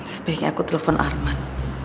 sebaiknya aku telepon arman